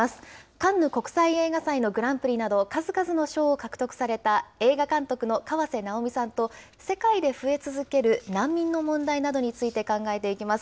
カンヌ国際映画祭のグランプリなど、数々の賞を獲得された映画監督の河瀬直美さんと、世界で増え続ける難民の問題などについて考えていきます。